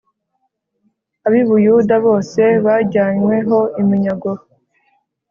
Ab i Buyuda bose bajyanywe ho iminyago